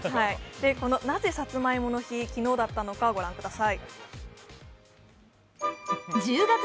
なぜさつまいもの日、昨日だったのか御覧ください。